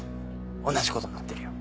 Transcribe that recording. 同じこと思ってるよ。